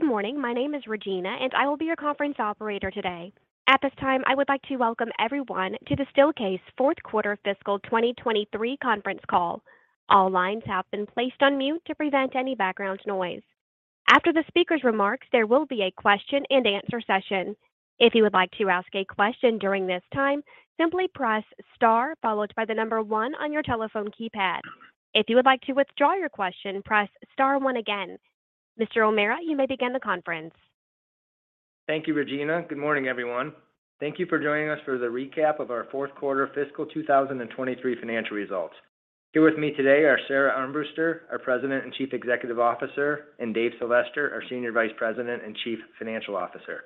Good morning. My name is Regina, and I will be your conference operator today. At this time, I would like to welcome everyone to the Steelcase Q4 fiscal 2023 conference call. All lines have been placed on mute to prevent any background noise. After the speaker's remarks, there will be a question and answer session. If you would like to ask a question during this time, simply press Star followed by the number one on your telephone keypad. If you would like to withdraw your question, press Star one again. Mr. O'Meara, you may begin the conference. Thank you, Regina. Good morning, everyone. Thank you for joining us for the recap of our Q4 fiscal 2023 financial results. Here with me today are Sara Armbruster, our President and Chief Executive Officer, and Dave Sylvester, our Senior Vice President and Chief Financial Officer.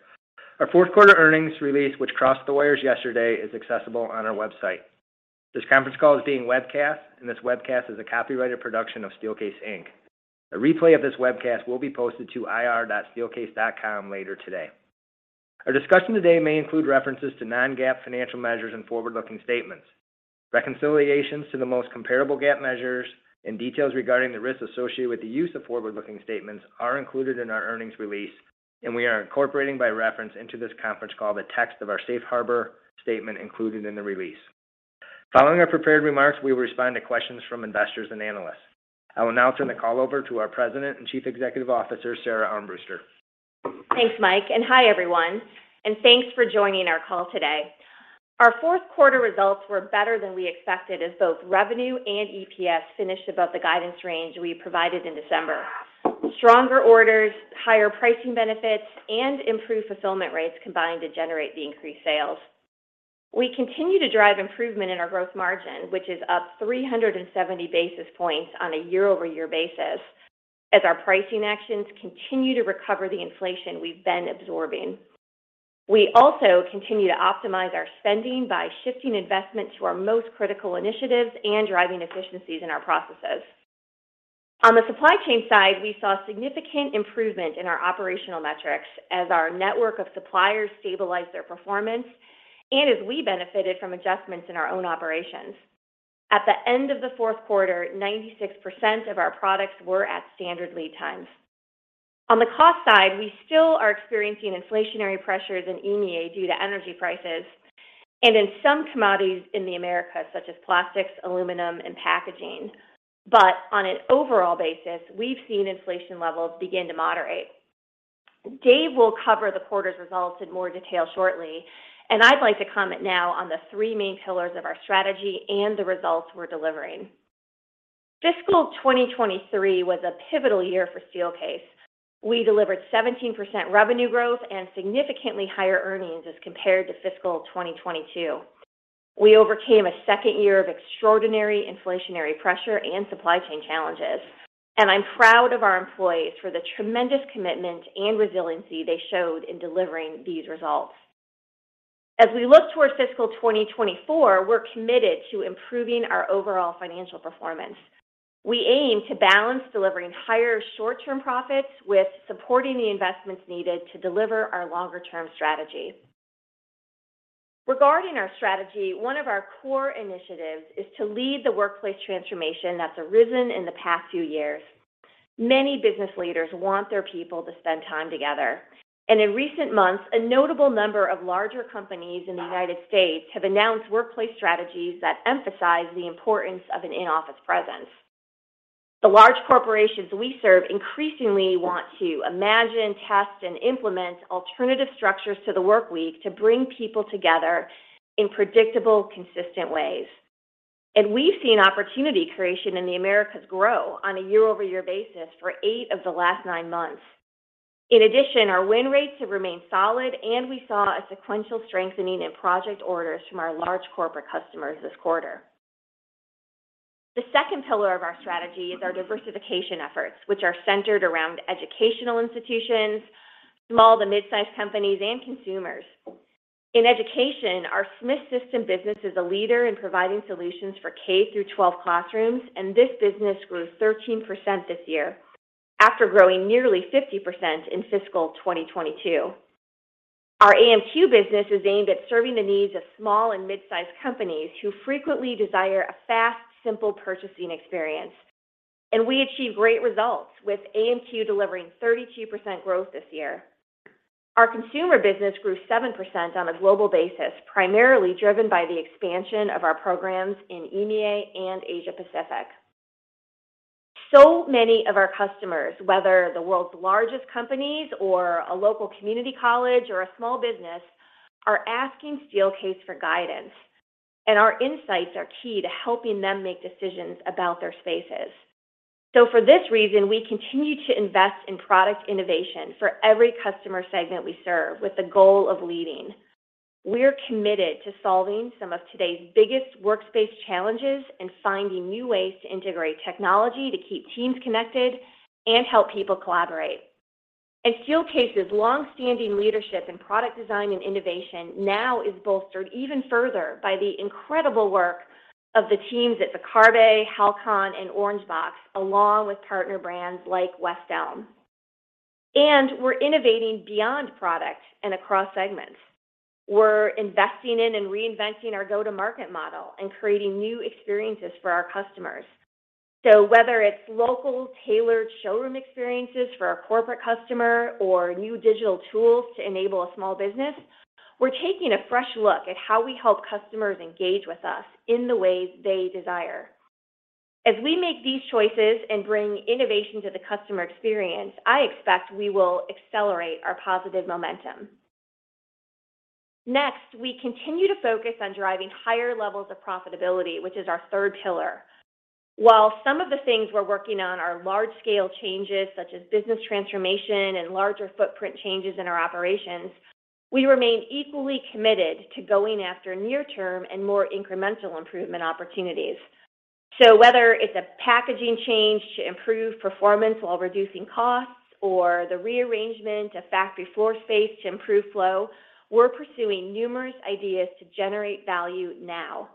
Our Q4 earnings release, which crossed the wires yesterday, is accessible on our website. This conference call is being webcast, and this webcast is a copyrighted production of Steelcase Inc. A replay of this webcast will be posted to ir.steelcase.com later today. Our discussion today may include references to non-GAAP financial measures and forward-looking statements. Reconciliations to the most comparable GAAP measures and details regarding the risks associated with the use of forward-looking statements are included in our earnings release, and we are incorporating by reference into this conference call the text of our safe harbor statement included in the release. Following our prepared remarks, we will respond to questions from investors and analysts. I will now turn the call over to our President and Chief Executive Officer, Sara Armbruster. Thanks, Mike, and hi, everyone, and thanks for joining our call today. Our Q4 results were better than we expected as both revenue and EPS finished above the guidance range we provided in December. Stronger orders, higher pricing benefits, and improved fulfillment rates combined to generate the increased sales. We continue to drive improvement in our gross margin, which is up 370 basis points on a year-over-year basis as our pricing actions continue to recover the inflation we've been absorbing. We also continue to optimize our spending by shifting investment to our most critical initiatives and driving efficiencies in our processes. On the supply chain side, we saw significant improvement in our operational metrics as our network of suppliers stabilized their performance and as we benefited from adjustments in our own operations. At the end of the Q4, 96% of our products were at standard lead times. On the cost side, we still are experiencing inflationary pressures in EMEA due to energy prices and in some commodities in the Americas, such as plastics, aluminum, and packaging. On an overall basis, we've seen inflation levels begin to moderate. Dave Sylvester will cover the quarter's results in more detail shortly, and I'd like to comment now on the three main pillars of our strategy and the results we're delivering. Fiscal 2023 was a pivotal year for Steelcase. We delivered 17% revenue growth and significantly higher earnings as compared to fiscal 2022. We overcame a second year of extraordinary inflationary pressure and supply chain challenges, and I'm proud of our employees for the tremendous commitment and resiliency they showed in delivering these results. As we look toward fiscal 2024, we're committed to improving our overall financial performance. We aim to balance delivering higher short-term profits with supporting the investments needed to deliver our longer-term strategy. Regarding our strategy, one of our core initiatives is to lead the workplace transformation that's arisen in the past few years. Many business leaders want their people to spend time together, and in recent months, a notable number of larger companies in the United States have announced workplace strategies that emphasize the importance of an in-office presence. The large corporations we serve increasingly want to imagine, test, and implement alternative structures to the workweek to bring people together in predictable, consistent ways. We've seen opportunity creation in the Americas grow on a year-over-year basis for eight of the last nine months. Our win rates have remained solid, and we saw a sequential strengthening in project orders from our large corporate customers this quarter. The second pillar of our strategy is our diversification efforts, which are centered around educational institutions, small to mid-sized companies, and consumers. In education, our Smith System business is a leader in providing solutions for K-12 classrooms. This business grew 13% this year after growing nearly 50% in fiscal 2022. Our AMQ business is aimed at serving the needs of small and mid-sized companies who frequently desire a fast, simple purchasing experience. We achieve great results with AMQ delivering 32% growth this year. Our consumer business grew 7% on a global basis, primarily driven by the expansion of our programs in EMEA and Asia Pacific. Many of our customers, whether the world's largest companies or a local community college or a small business, are asking Steelcase for guidance, and our insights are key to helping them make decisions about their spaces. For this reason, we continue to invest in product innovation for every customer segment we serve with the goal of leading. We're committed to solving some of today's biggest workspace challenges and finding new ways to integrate technology to keep teams connected and help people collaborate. Steelcase's long-standing leadership in product design and innovation now is bolstered even further by the incredible work of the teams at Viccarbe, HALCON, and Orangebox, along with partner brands like West Elm. We're innovating beyond products and across segments. We're investing in and reinventing our go-to-market model and creating new experiences for our customers. Whether it's local tailored showroom experiences for our corporate customer or new digital tools to enable a small business, we're taking a fresh look at how we help customers engage with us in the ways they desire. As we make these choices and bring innovation to the customer experience, I expect we will accelerate our positive momentum. Next, we continue to focus on driving higher levels of profitability, which is our third pillar. While some of the things we're working on are large scale changes such as business transformation and larger footprint changes in our operations, we remain equally committed to going after near-term and more incremental improvement opportunities. Whether it's a packaging change to improve performance while reducing costs or the rearrangement of factory floor space to improve flow, we're pursuing numerous ideas to generate value now.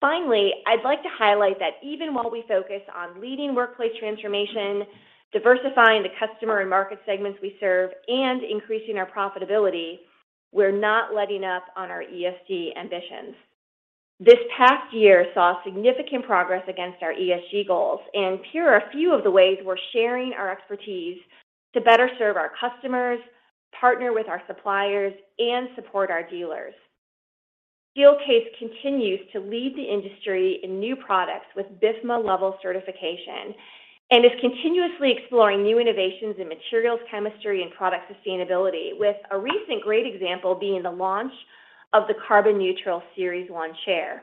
Finally, I'd like to highlight that even while we focus on leading workplace transformation, diversifying the customer and market segments we serve, and increasing our profitability, we're not letting up on our ESG ambitions. This past year saw significant progress against our ESG goals. Here are a few of the ways we're sharing our expertise to better serve our customers, partner with our suppliers, and support our dealers. Steelcase continues to lead the industry in new products with BIFMA-level certification and is continuously exploring new innovations in materials chemistry and product sustainability, with a recent great example being the launch of the carbon neutral Series One chair.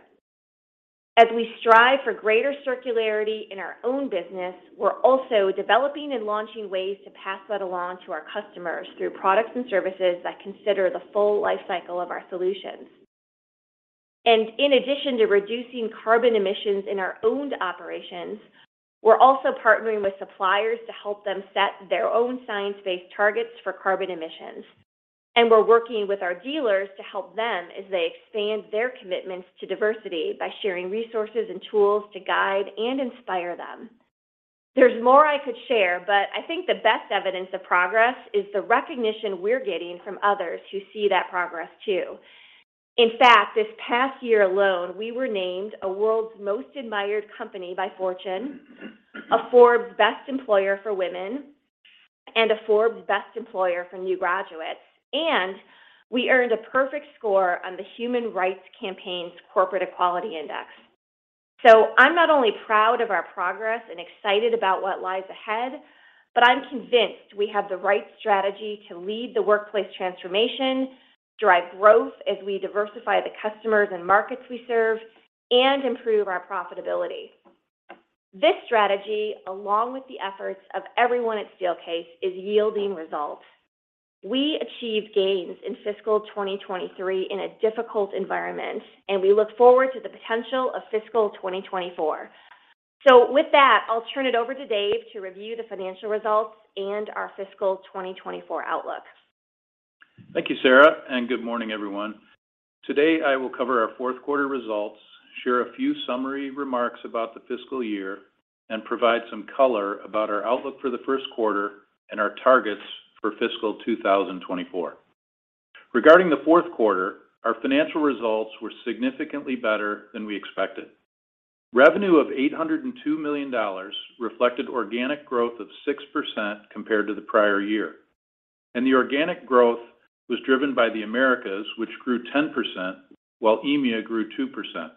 As we strive for greater circularity in our own business, we're also developing and launching ways to pass that along to our customers through products and services that consider the full life cycle of our solutions. In addition to reducing carbon emissions in our owned operations, we're also partnering with suppliers to help them set their own science-based targets for carbon emissions. We're working with our dealers to help them as they expand their commitments to diversity by sharing resources and tools to guide and inspire them. There's more I could share, but I think the best evidence of progress is the recognition we're getting from others who see that progress too. In fact, this past year alone, we were named a World's Most Admired Company by Fortune, a Forbes Best Employer for Women, and a Forbes Best Employer for New Graduates. We earned a perfect score on the Human Rights Campaign's Corporate Equality Index. I'm not only proud of our progress and excited about what lies ahead, but I'm convinced we have the right strategy to lead the workplace transformation, drive growth as we diversify the customers and markets we serve, and improve our profitability. This strategy, along with the efforts of everyone at Steelcase, is yielding results. We achieved gains in fiscal 2023 in a difficult environment, and we look forward to the potential of fiscal 2024. With that, I'll turn it over to Dave to review the financial results and our fiscal 2024 outlook. Thank you, Sara. Good morning, everyone. Today, I will cover our Q4 results, share a few summary remarks about the fiscal year, and provide some color about our outlook for the Q1and our targets for fiscal 2024. Regarding the Q4, our financial results were significantly better than we expected. Revenue of $802 million reflected organic growth of 6% compared to the prior year. The organic growth was driven by the Americas, which grew 10%, while EMEA grew 2%.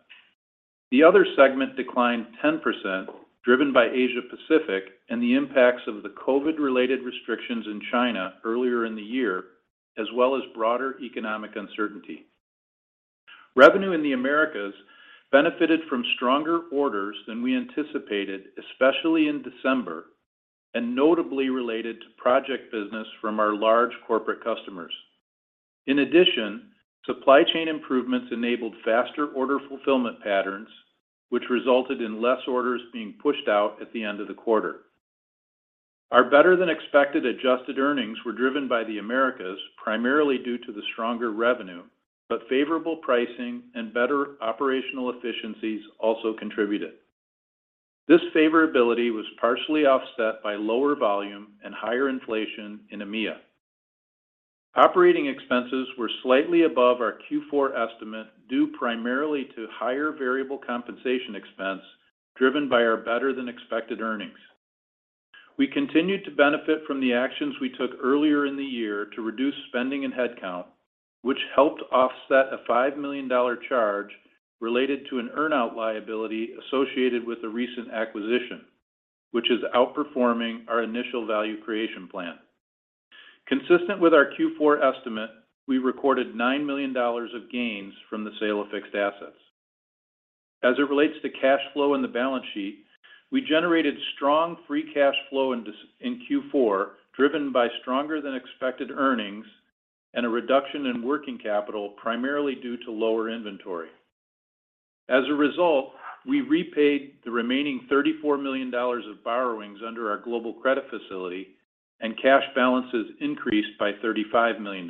The other segment declined 10%, driven by Asia-Pacific and the impacts of the COVID-related restrictions in China earlier in the year, as well as broader economic uncertainty. Revenue in the Americas benefited from stronger orders than we anticipated, especially in December, and notably related to project business from our large corporate customers. In addition, supply chain improvements enabled faster order fulfillment patterns, which resulted in less orders being pushed out at the end of the quarter. Our better-than-expected adjusted earnings were driven by the Americas, primarily due to the stronger revenue, but favorable pricing and better operational efficiencies also contributed. This favorability was partially offset by lower volume and higher inflation in EMEA. Operating expenses were slightly above our Q4 estimate due primarily to higher variable compensation expense driven by our better-than-expected earnings. We continued to benefit from the actions we took earlier in the year to reduce spending and headcount, which helped offset a $5 million charge related to an earn-out liability associated with the recent acquisition, which is outperforming our initial value creation plan. Consistent with our Q4 estimate, we recorded $9 million of gains from the sale of fixed assets. As it relates to cash flow in the balance sheet, we generated strong free cash flow in Q4, driven by stronger-than-expected earnings and a reduction in working capital primarily due to lower inventory. As a result, we repaid the remaining $34 million of borrowings under our global credit facility and cash balances increased by $35 million.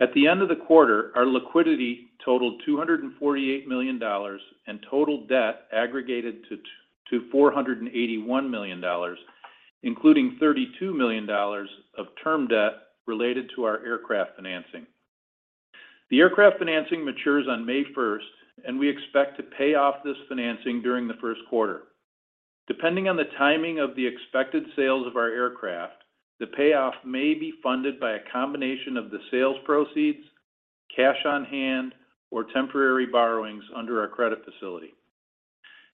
At the end of the quarter, our liquidity totaled $248 million and total debt aggregated to $481 million, including $32 million of term debt related to our aircraft financing. The aircraft financing matures on May 1st, and we expect to pay off this financing during the Q1. Depending on the timing of the expected sales of our aircraft, the payoff may be funded by a combination of the sales proceeds, cash on hand, or temporary borrowings under our credit facility.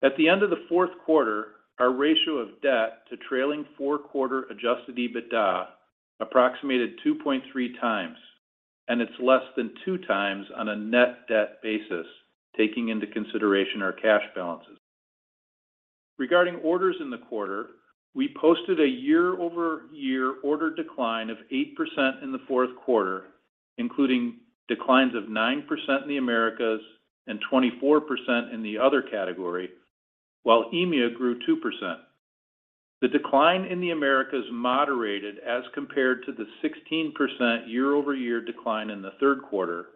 At the end of theQ4, our ratio of debt to trailing Q4 adjusted EBITDA approximated 2.3 times, and it's less than two times on a net debt basis, taking into consideration our cash balances. Regarding orders in the quarter, we posted a year-over-year order decline of 8% in the Q4, including declines of 9% in the Americas and 24% in the other category, while EMEA grew 2%. The decline in the Americas moderated as compared to the 16% year-over-year decline in the Q3,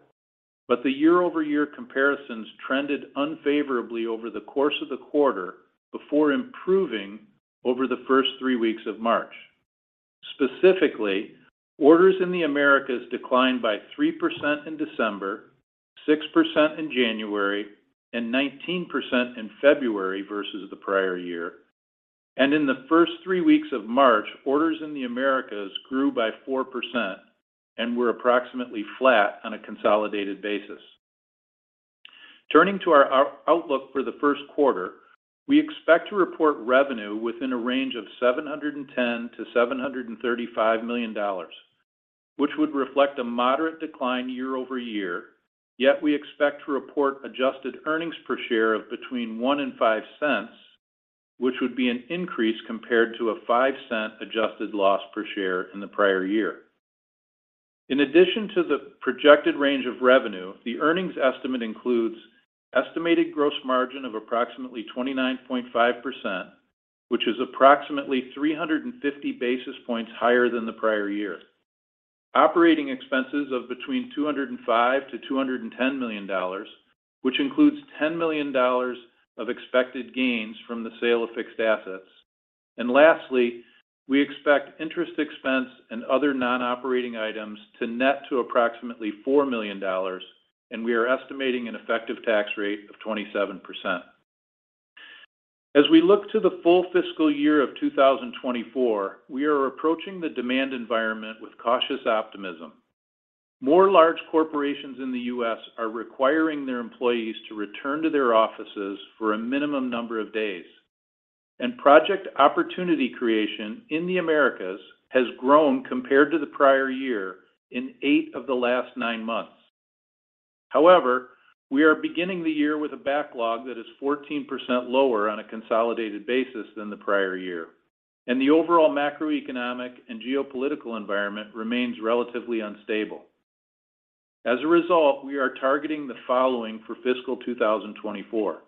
but the year-over-year comparisons trended unfavorably over the course of the quarter before improving over the first three weeks of March. Specifically, orders in the Americas declined by 3% in December, 6% in January, and 19% in February versus the prior year. In the first three weeks of March, orders in the Americas grew by 4% and were approximately flat on a consolidated basis. Turning to our outlook for the Q1, we expect to report revenue within a range of $710 million-$735 million, which would reflect a moderate decline year-over-year, yet we expect to report adjusted earnings per share of between $0.01 and $0.05, which would be an increase compared to a $0.05 adjusted loss per share in the prior year. In addition to the projected range of revenue, the earnings estimate includes estimated gross margin of approximately 29.5%, which is approximately 350 basis points higher than the prior year. Operating expenses of between $205 million-$210 million, which includes $10 million of expected gains from the sale of fixed assets. Lastly, we expect interest expense and other non-operating items to net to approximately $4 million, and we are estimating an effective tax rate of 27%. As we look to the full fiscal year of 2024, we are approaching the demand environment with cautious optimism. More large corporations in the U.S. are requiring their employees to return to their offices for a minimum number of days, and project opportunity creation in the Americas has grown compared to the prior year in eight of the last nine months. We are beginning the year with a backlog that is 14% lower on a consolidated basis than the prior year, and the overall macroeconomic and geopolitical environment remains relatively unstable. As a result, we are targeting the following for fiscal 2024.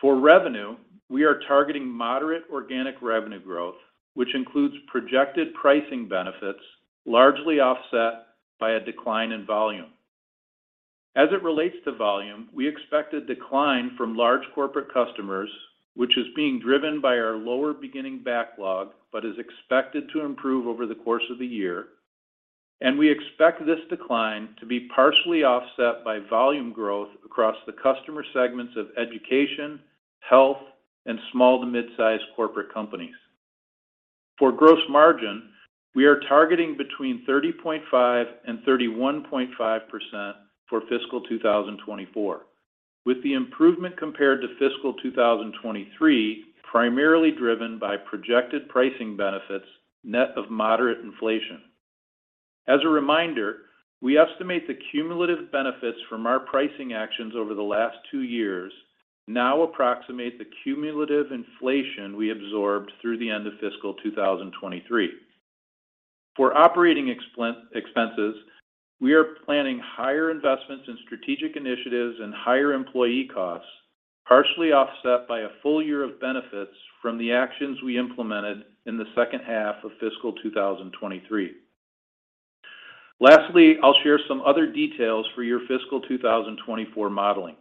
For revenue, we are targeting moderate organic revenue growth, which includes projected pricing benefits largely offset by a decline in volume. As it relates to volume, we expect a decline from large corporate customers, which is being driven by our lower beginning backlog, but is expected to improve over the course of the year. We expect this decline to be partially offset by volume growth across the customer segments of education, health, and small to mid-size corporate companies. For gross margin, we are targeting between 30.5% and 31.5% for fiscal 2024, with the improvement compared to fiscal 2023 primarily driven by projected pricing benefits net of moderate inflation. As a reminder, we estimate the cumulative benefits from our pricing actions over the last 2 years now approximate the cumulative inflation we absorbed through the end of fiscal 2023. For operating expenses, we are planning higher investments in strategic initiatives and higher employee costs, partially offset by a full year of benefits from the actions we implemented in the second half of fiscal 2023. Lastly, I'll share some other details for your fiscal 2024 modeling.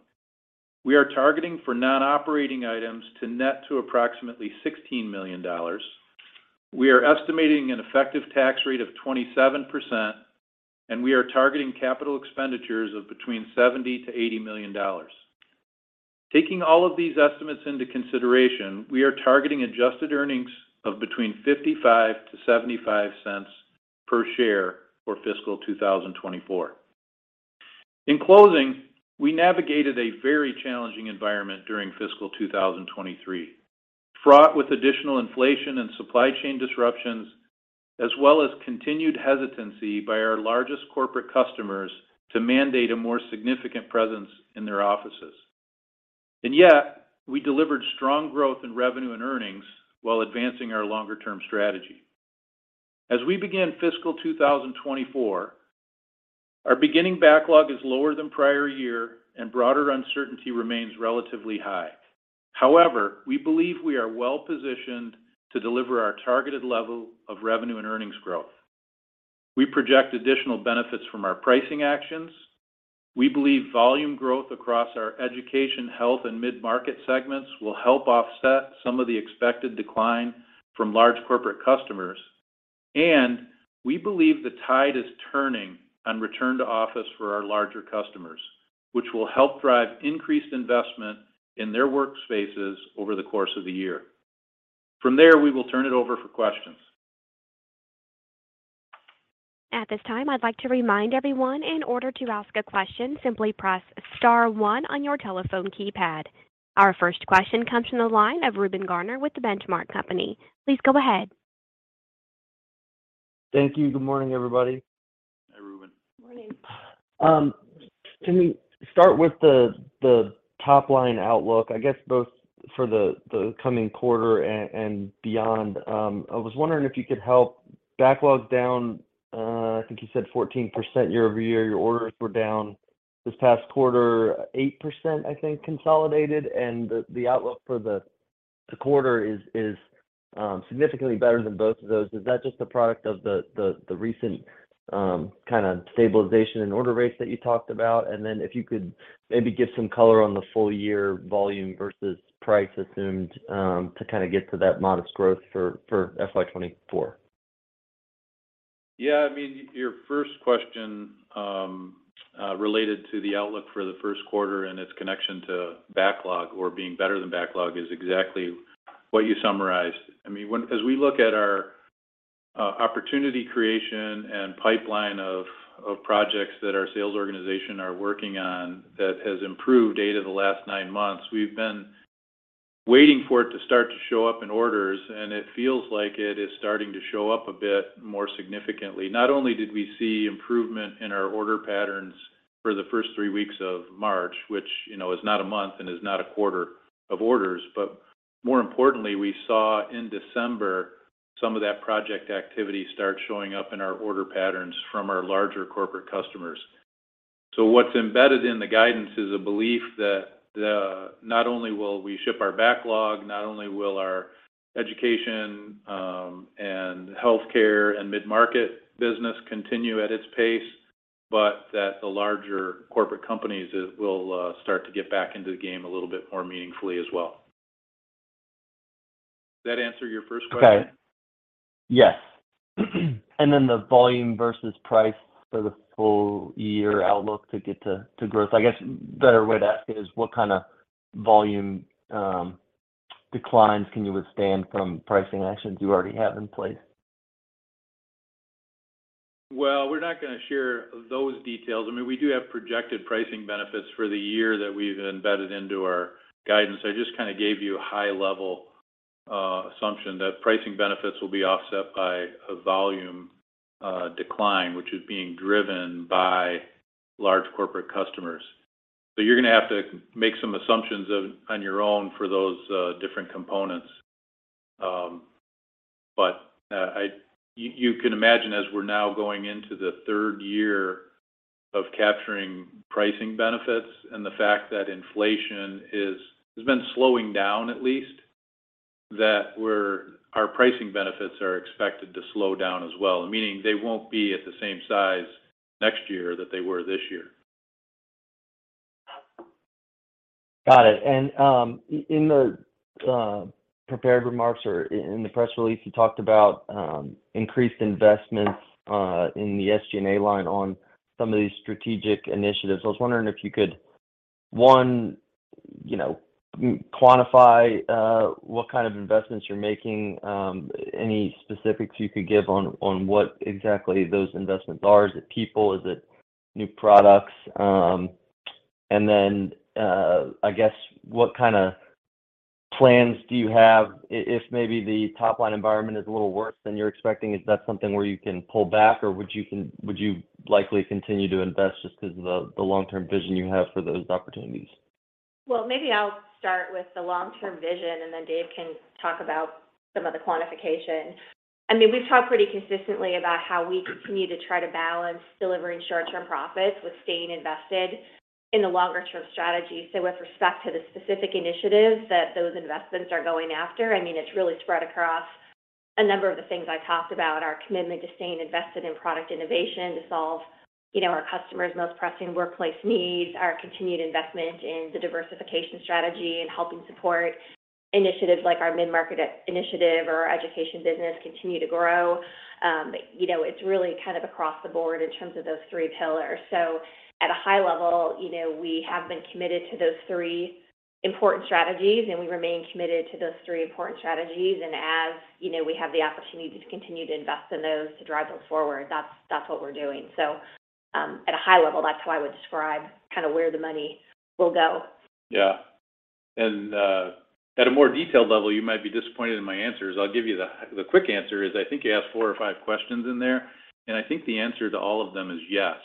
We are targeting for non-operating items to net to approximately $16 million. We are estimating an effective tax rate of 27%. We are targeting capital expenditures of between $70 million-$80 million. Taking all of these estimates into consideration, we are targeting adjusted earnings of between $0.55-$0.75 per share for fiscal 2024. In closing, we navigated a very challenging environment during fiscal 2023, fraught with additional inflation and supply chain disruptions, as well as continued hesitancy by our largest corporate customers to mandate a more significant presence in their offices. Yet, we delivered strong growth in revenue and earnings while advancing our longer-term strategy. As we begin fiscal 2024, our beginning backlog is lower than prior year and broader uncertainty remains relatively high. We believe we are well-positioned to deliver our targeted level of revenue and earnings growth. We project additional benefits from our pricing actions. We believe volume growth across our education, health, and mid-market segments will help offset some of the expected decline from large corporate customers. We believe the tide is turning on return to office for our larger customers, which will help drive increased investment in their workspaces over the course of the year. From there, we will turn it over for questions. At this time, I'd like to remind everyone, in order to ask a question, simply press star one on your telephone keypad. Our first question comes from the line of Reuben Garner with The Benchmark Company. Please go ahead. Thank you. Good morning, everybody. Hi, Reuben. Morning. Can we start with the top line outlook, I guess, both for the coming quarter and beyond? I was wondering if you could help backlogs down, I think you said 14% year-over-year. Your orders were down this past quarter 8%, I think, consolidated. The outlook for the quarter is significantly better than both of those. Is that just a product of the recent kind of stabilization in order rates that you talked about? Then if you could maybe give some color on the full year volume versus price assumed to kind of get to that modest growth for FY 2024. Yeah, I mean, your 1st question related to the outlook for the Q1 and its connection to backlog or being better than backlog is exactly what you summarized. I mean, as we look at our opportunity creation and pipeline of projects that our sales organization are working on that has improved data the last 9 months, we've been waiting for it to start to show up in orders, it feels like it is starting to show up a bit more significantly. Not only did we see improvement in our order patterns for the 1st 3 weeks of March, which, you know, is not a month and is not a quarter of orders, more importantly, we saw in December some of that project activity start showing up in our order patterns from our larger corporate customers. What's embedded in the guidance is a belief that not only will we ship our backlog, not only will our education, and healthcare and mid-market business continue at its pace, but that the larger corporate companies will start to get back into the game a little bit more meaningfully as well. That answer your first question? Okay. Yes. Then the volume versus price for the full year outlook to get to growth. I guess a better way to ask it is what kind of volume declines can you withstand from pricing actions you already have in place? We're not gonna share those details. I mean, we do have projected pricing benefits for the year that we've embedded into our guidance. I just kind of gave you a high level assumption that pricing benefits will be offset by a volume decline, which is being driven by large corporate customers. You're gonna have to make some assumptions on your own for those different components. You can imagine as we're now going into the third year of capturing pricing benefits and the fact that inflation is, has been slowing down at least, that our pricing benefits are expected to slow down as well, meaning they won't be at the same size next year that they were this year. Got it. In the prepared remarks or in the press release, you talked about increased investments in the SG&A line on some of these strategic initiatives. I was wondering if you could, one, you know, quantify what kind of investments you're making, any specifics you could give on what exactly those investments are. Is it people? Is it new products? I guess what kind of plans do you have if maybe the top-line environment is a little worse than you're expecting? Is that something where you can pull back, or would you likely continue to invest just because of the long-term vision you have for those opportunities? Maybe I'll start with the long-term vision, and then Dave can talk about some of the quantification. I mean, we've talked pretty consistently about how we continue to try to balance delivering short-term profits with staying invested in the longer-term strategy. With respect to the specific initiatives that those investments are going after, I mean, it's really spread across a number of the things I talked about, our commitment to staying invested in product innovation to solve, you know, our customers' most pressing workplace needs, our continued investment in the diversification strategy and helping support initiatives like our mid-market initiative or our education business continue to grow. You know, it's really kind of across the board in terms of those three pillars. At a high level, you know, we have been committed to those three important strategies, and we remain committed to those three important strategies. As, you know, we have the opportunity to continue to invest in those to drive those forward, that's what we're doing. At a high level, that's how I would describe kind of where the money will go. Yeah. At a more detailed level, you might be disappointed in my answers. I'll give you the quick answer is I think you asked four or five questions in there. I think the answer to all of them is yes.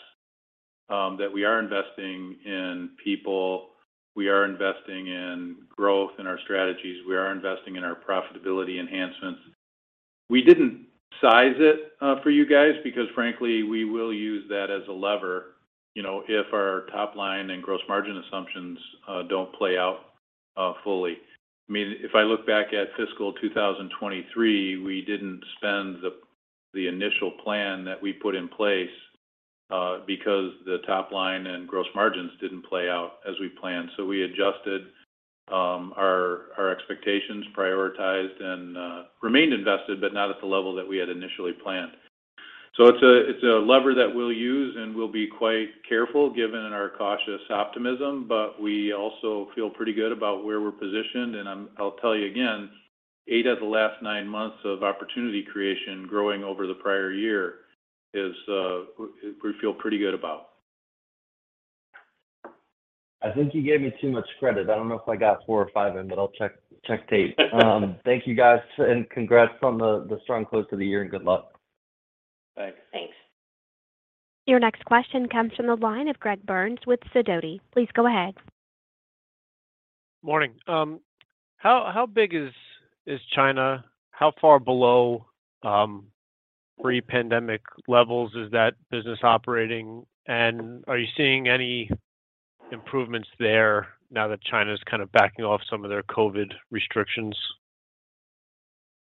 That we are investing in people. We are investing in growth in our strategies. We are investing in our profitability enhancements. We didn't size it for you guys because, frankly, we will use that as a lever, you know, if our top line and gross margin assumptions don't play out fully. I mean, if I look back at fiscal 2023, we didn't spend the initial plan that we put in place because the top line and gross margins didn't play out as we planned. We adjusted our expectations, prioritized, and remained invested, but not at the level that we had initially planned. It's a lever that we'll use, and we'll be quite careful given our cautious optimism. We also feel pretty good about where we're positioned, and I'll tell you again, 8 of the last 9 months of opportunity creation growing over the prior year is we feel pretty good about. I think you gave me too much credit. I don't know if I got 4 or 5 in, but I'll check tape. Thank you guys, and congrats on the strong close to the year, and good luck. Thanks. Thanks. Your next question comes from the line of Greg Burns with Sidoti. Please go ahead. Morning. How big is China? How far below pre-pandemic levels is that business operating? Are you seeing any improvements there now that China's kind of backing off some of their COVID restrictions?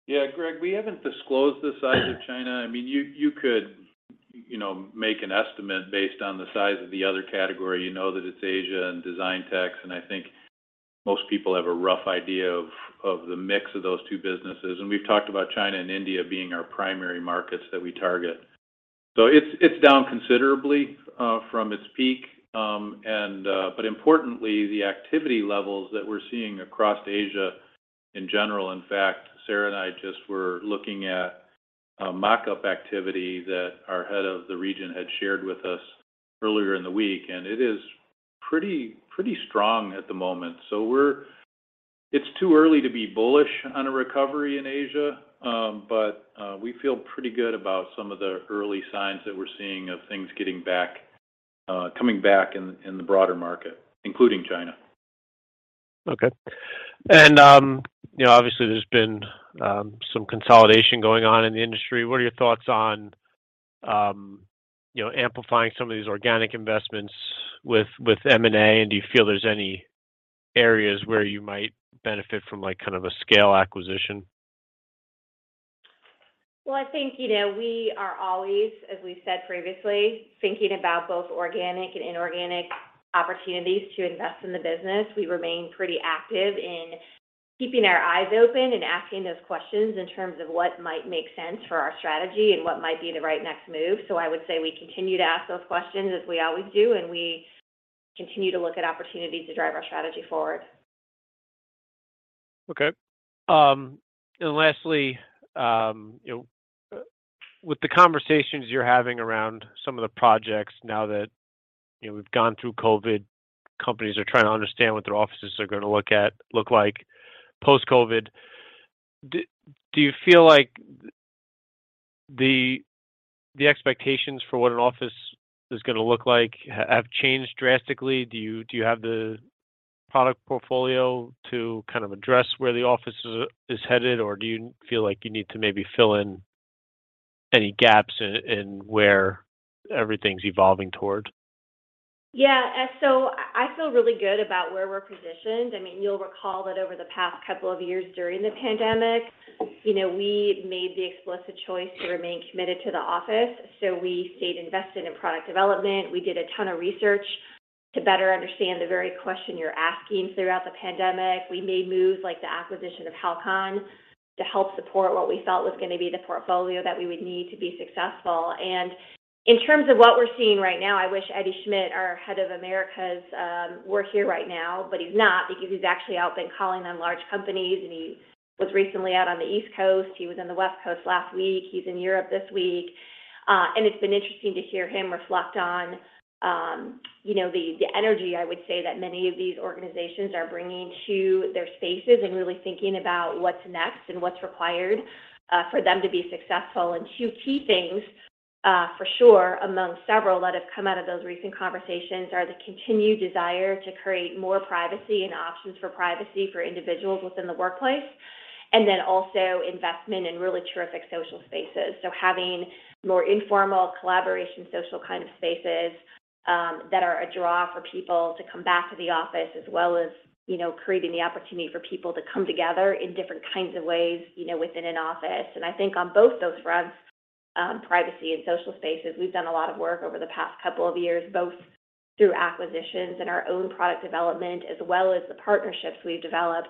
Yeah, Greg, we haven't disclosed the size of China. I mean, you could, you know, make an estimate based on the size of the other category. You know that it's Asia and Designtex, and I think most people have a rough idea of the mix of those two businesses. We've talked about China and India being our primary markets that we target. It's down considerably from its peak. Importantly, the activity levels that we're seeing across Asia in general, in fact, Sarah and I just were looking at a mock-up activity that our head of the region had shared with us earlier in the week, and it is pretty strong at the moment. It's too early to be bullish on a recovery in Asia, but we feel pretty good about some of the early signs that we're seeing of things getting back, coming back in the broader market, including China. Okay. You know, obviously there's been some consolidation going on in the industry. What are your thoughts on, you know, amplifying some of these organic investments with M&A? Do you feel there's any areas where you might benefit from, like, kind of a scale acquisition? Well, I think, you know, we are always, as we said previously, thinking about both organic and inorganic opportunities to invest in the business. We remain pretty active in keeping our eyes open and asking those questions in terms of what might make sense for our strategy and what might be the right next move. I would say we continue to ask those questions as we always do, and we continue to look at opportunities to drive our strategy forward. Lastly, you know, with the conversations you're having around some of the projects now that, you know, we've gone through COVID, companies are trying to understand what their offices are gonna look like post-COVID. Do you feel like the expectations for what an office is gonna look like have changed drastically? Do you have the product portfolio to kind of address where the office is headed, or do you feel like you need to maybe fill in any gaps in where everything's evolving towards? Yeah. I feel really good about where we're positioned. I mean, you'll recall that over the past couple of years during the pandemic, you know, we made the explicit choice to remain committed to the office. We stayed invested in product development. We did a ton of research to better understand the very question you're asking throughout the pandemic. We made moves like the acquisition of HALCON to help support what we felt was gonna be the portfolio that we would need to be successful. In terms of what we're seeing right now, I wish Eddie Schmitt, our head of Americas, were here right now, but he's not because he's actually out been calling on large companies, and he was recently out on the East Coast. He was on the West Coast last week. He's in Europe this week. It's been interesting to hear him reflect on, you know, the energy, I would say, that many of these organizations are bringing to their spaces and really thinking about what's next and what's required for them to be successful. 2 key things for sure, among several that have come out of those recent conversations are the continued desire to create more privacy and options for privacy for individuals within the workplace, and then also investment in really terrific social spaces. Having more informal collaboration, social kind of spaces that are a draw for people to come back to the office as well as, you know, creating the opportunity for people to come together in different kinds of ways, you know, within an office. I think on both those fronts, privacy and social spaces, we've done a lot of work over the past couple of years, both through acquisitions and our own product development as well as the partnerships we've developed,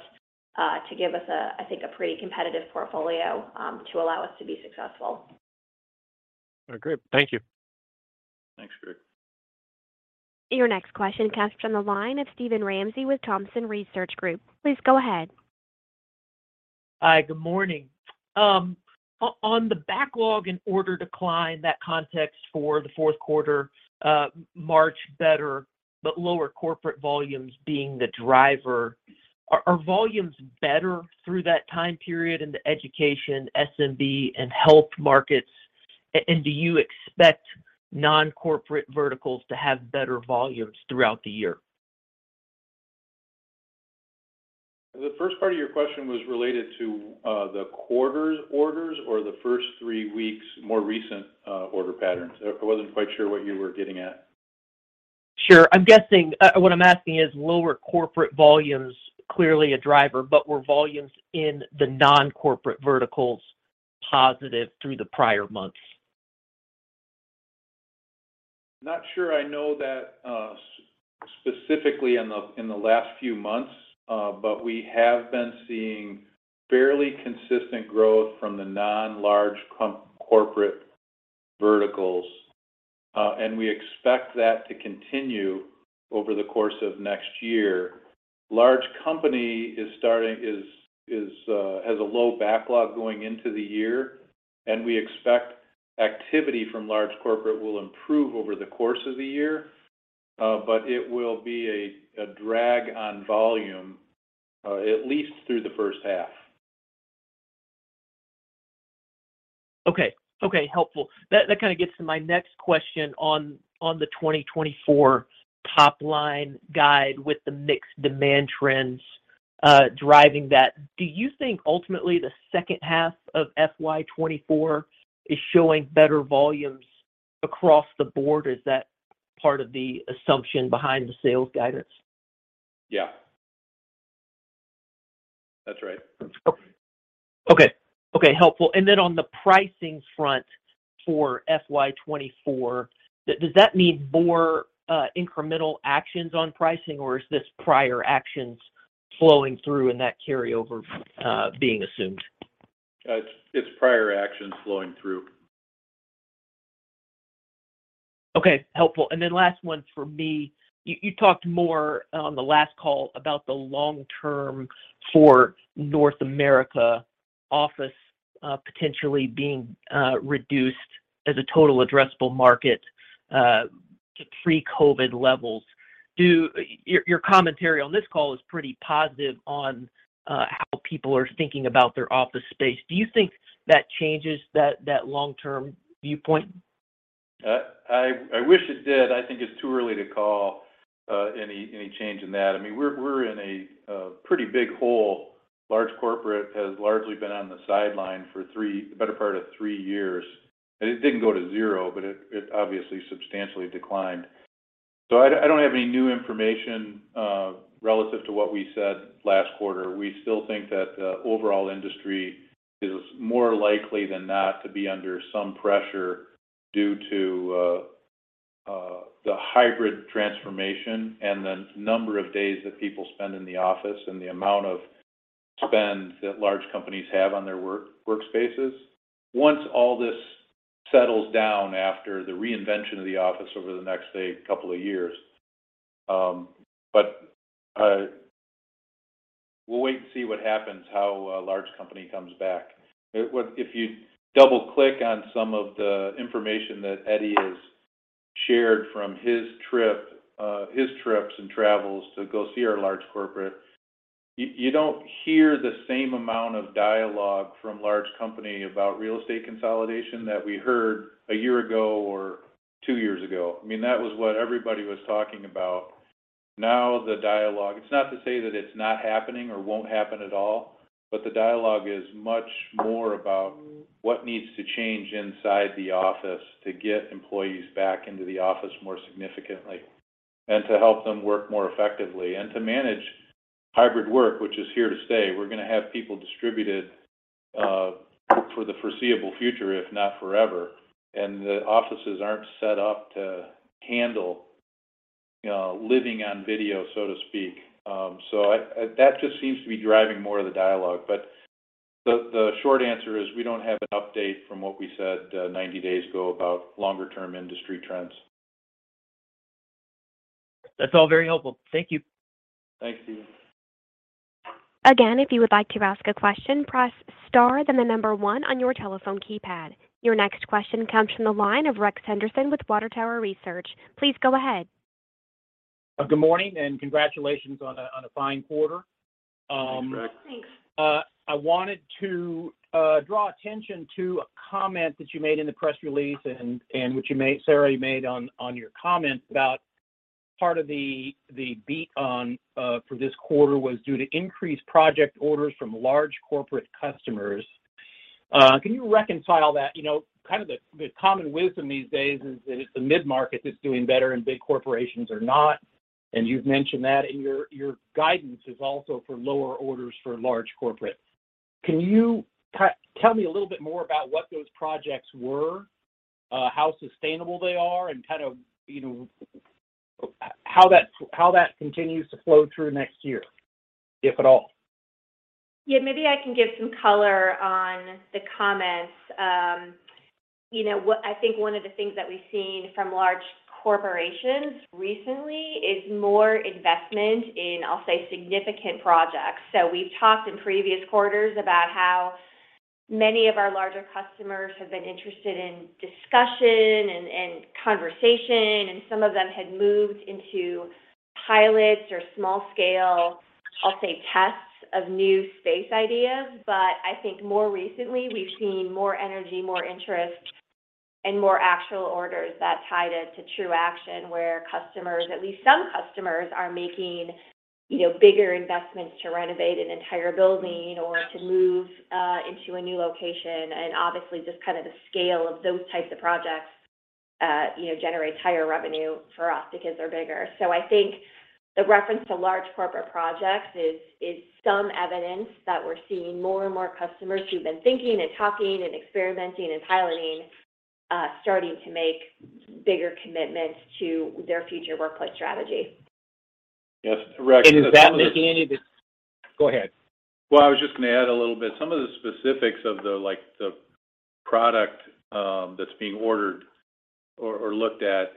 to give us a, I think, a pretty competitive portfolio, to allow us to be successful. Great. Thank you. Thanks, Greg. Your next question comes from the line of Steven Ramsey with Thompson Research Group. Please go ahead. Hi. Good morning. On the backlog and order decline, that context for the Q4, March better, but lower corporate volumes being the driver. Are volumes better through that time period in the education, SMB, and health markets? Do you expect non-corporate verticals to have better volumes throughout the year? The first part of your question was related to, the quarter's orders or the first 3 weeks more recent, order patterns. I wasn't quite sure what you were getting at. Sure. I'm guessing, what I'm asking is lower corporate volume's clearly a driver, but were volumes in the non-corporate verticals positive through the prior months? Not sure I know that, specifically in the last few months. We have been seeing fairly consistent growth from the non-large corporate verticals. We expect that to continue over the course of next year. Large company is starting, has a low backlog going into the year, and we expect activity from large corporate will improve over the course of the year. It will be a drag on volume, at least through the first half. Okay. Okay, helpful. That kind of gets to my next question on the 2024 top line guide with the mixed demand trends driving that. Do you think ultimately the second half of FY 2024 is showing better volumes across the board? Is that part of the assumption behind the sales guidance? Yeah. That's right. Okay. Okay, helpful. Then on the pricing front for FY 2024, does that mean more incremental actions on pricing, or is this prior actions flowing through and that carryover being assumed? It's prior actions flowing through. Okay, helpful. Then last one for me. You talked more on the last call about the long-term for North America office potentially being reduced as a total addressable market to pre-COVID levels. Your commentary on this call is pretty positive on how people are thinking about their office space. Do you think that changes that long-term viewpoint? I wish it did. I think it's too early to call any change in that. I mean, we're in a pretty big hole. Large corporate has largely been on the sideline for the better part of three years. It didn't go to zero, but it obviously substantially declined. I don't have any new information relative to what we said last quarter. We still think that the overall industry is more likely than not to be under some pressure due to the hybrid transformation and the number of days that people spend in the office, and the amount of spend that large companies have on their workspaces. Once all this settles down after the reinvention of the office over the next, say, couple of years, we'll wait and see what happens, how a large company comes back. If you double-click on some of the information that Eddy has shared from his trip, his trips and travels to go see our large corporate, you don't hear the same amount of dialogue from large company about real estate consolidation that we heard a year ago or 2 years ago. I mean, that was what everybody was talking about. Now, the dialogue... It's not to say that it's not happening or won't happen at all, but the dialogue is much more about what needs to change inside the office to get employees back into the office more significantly, and to help them work more effectively, and to manage hybrid work, which is here to stay. We're gonna have people distributed for the foreseeable future, if not forever, and the offices aren't set up to handle, you know, living on video, so to speak. That just seems to be driving more of the dialogue. The short answer is we don't have an update from what we said, 90 days ago about longer term industry trends. That's all very helpful. Thank you. Thanks, Steven. Again, if you would like to ask a question, press star then the 1 on your telephone keypad. Your next question comes from the line of Rex Henderson with Water Tower Research. Please go ahead. Good morning, congratulations on a fine quarter. Thanks, Rex. Thanks. I wanted to draw attention to a comment that you made in the press release and which you made Sara, you made on your comments about part of the beat on for this quarter was due to increased project orders from large corporate customers. Can you reconcile that? You know, kind of the common wisdom these days is that it's the mid-market that's doing better and big corporations are not, and you've mentioned that. Your guidance is also for lower orders for large corporate. Can you tell me a little bit more about what those projects were, how sustainable they are, and kind of, you know, how that continues to flow through next year, if at all? Yeah, maybe I can give some color on the comments. You know, I think one of the things that we've seen from large corporations recently is more investment in, I'll say, significant projects. We've talked in previous quarters about how many of our larger customers have been interested in discussion and conversation, and some of them had moved into pilots or small scale, I'll say, tests of new space ideas. I think more recently we've seen more energy, more interest and more actual orders that tie to true action where customers, at least some customers, are making, you know, bigger investments to renovate an entire building or to move into a new location. Obviously, just kind of the scale of those types of projects, you know, generates higher revenue for us because they're bigger. I think the reference to large corporate projects is some evidence that we're seeing more and more customers who've been thinking and talking and experimenting and piloting, starting to make bigger commitments to their future workplace strategy. Yes, Rex. Is that making. Go ahead. I was just gonna add a little bit. Some of the specifics of the, like, the product that's being ordered or looked at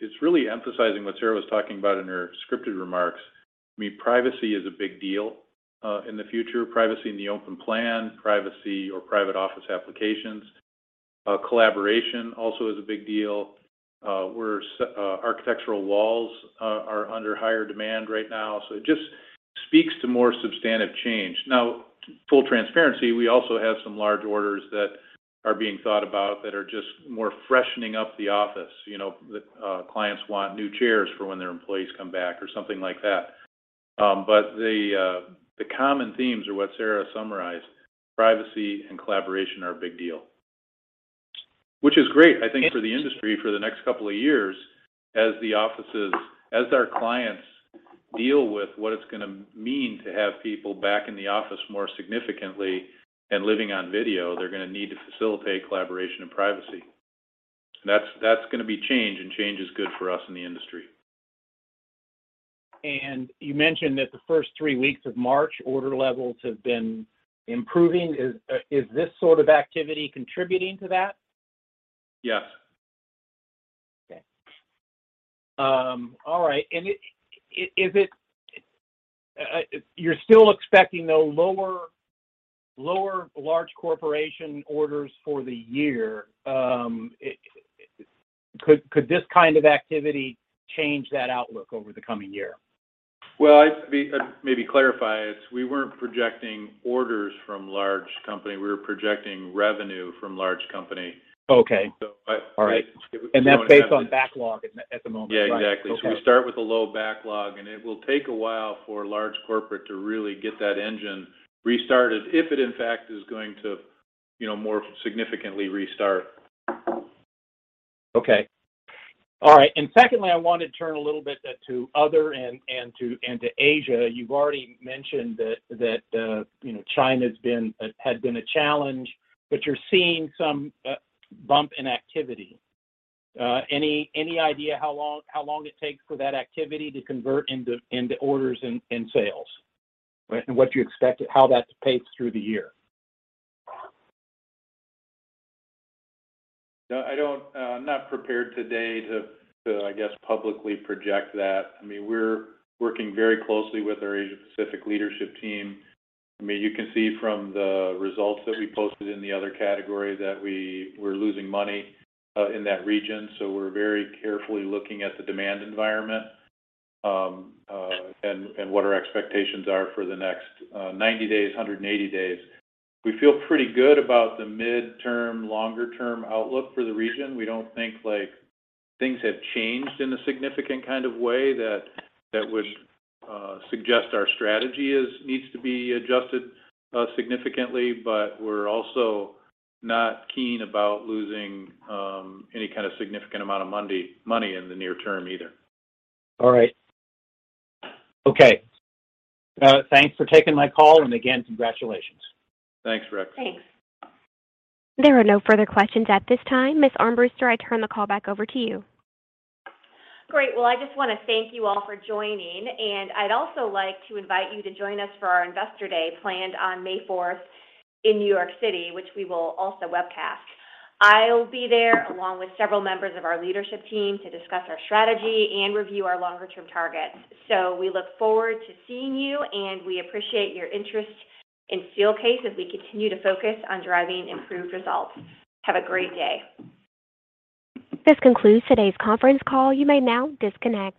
is really emphasizing what Sarah was talking about in her scripted remarks. I mean, privacy is a big deal, in the future. Privacy in the open plan, privacy or private office applications. Collaboration also is a big deal. Where architectural walls are under higher demand right now. It just speaks to more substantive change. Full transparency, we also have some large orders that are being thought about that are just more freshening up the office. You know, the clients want new chairs for when their employees come back or something like that. The common themes are what Sarah summarized. Privacy and collaboration are a big deal. Which is great, I think, for the industry for the next couple of years as the offices, as our clients deal with what it's going to mean to have people back in the office more significantly and living on video. They're going to need to facilitate collaboration and privacy. That's going to be change. Change is good for us in the industry. You mentioned that the first three weeks of March, order levels have been improving. Is this sort of activity contributing to that? Yes. Okay. All right. Is it... you're still expecting, though, lower large corporation orders for the year? Could this kind of activity change that outlook over the coming year? I'd maybe clarify. It's we weren't projecting orders from large company, we were projecting revenue from large company. Okay. So I- All right. That's based on backlog at the moment, right? Yeah, exactly. Okay. We start with a low backlog, and it will take a while for large corporate to really get that engine restarted, if it, in fact, is going to, you know, more significantly restart. Okay. All right. Secondly, I wanted to turn a little bit to other and to Asia. You've already mentioned that, you know, China's been had been a challenge, but you're seeing some bump in activity. Any idea how long it takes for that activity to convert into orders and sales? How that pays through the year? No, I don't. I'm not prepared today to, I guess, publicly project that. I mean, we're working very closely with our Asia Pacific leadership team. I mean, you can see from the results that we posted in the other category that we're losing money in that region. We're very carefully looking at the demand environment and what our expectations are for the next 90 days, 180 days. We feel pretty good about the midterm, longer term outlook for the region. We don't think, like, things have changed in a significant kind of way that would suggest our strategy needs to be adjusted significantly. We're also not keen about losing any kind of significant amount of money in the near term either. All right. Okay. Thanks for taking my call. Again, congratulations. Thanks, Rex. Thanks. There are no further questions at this time. Ms. Armbruster, I turn the call back over to you. Great. Well, I just wanna thank you all for joining. I'd also like to invite you to join us for our Investor Day planned on May fourth in New York City, which we will also webcast. I'll be there along with several members of our leadership team to discuss our strategy and review our longer term targets. We look forward to seeing you. We appreciate your interest in Steelcase as we continue to focus on driving improved results. Have a great day. This concludes today's conference call. You may now disconnect.